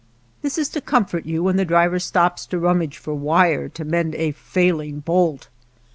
This is to comfort you when the driver stops to rummage for wire to mend a failing bolt.